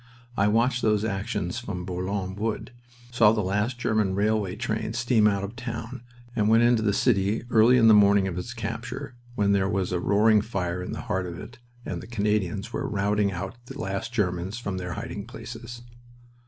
I watched those actions from Bourlon Wood, saw the last German railway train steam out of the town, and went into the city early on the morning of its capture, when there was a roaring fire in the heart of it and the Canadians were routing out the last Germans from their hiding places.